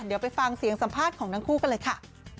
เดี๋ยวไปฟังเสียงสัมภาษณ์ของทั้งคู่กันเลยค่ะ